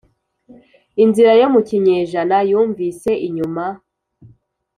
inzira yo mu kinyejana yumvise inyuma,